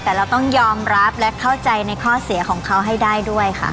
แต่เราต้องยอมรับและเข้าใจในข้อเสียของเขาให้ได้ด้วยค่ะ